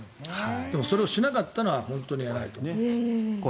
でも、それをしなかったのは本当に偉いと思う。